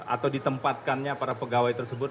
atau ditempatkannya para pegawai tersebut